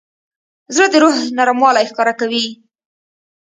زړه د روح نرموالی ښکاره کوي.